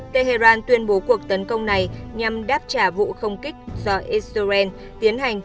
tehran tuyên bố cuộc tấn công này nhằm đáp trả vụ không kích do israel tiến hành